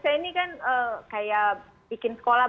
saya ini kan kayak bikin sekolah